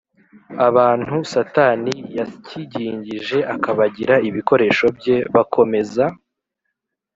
abantu satani yasyigingije akabagira ibikoresho bye bakomeza